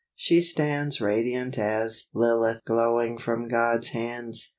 She stands Radiant as Lilith glowing from God's hands.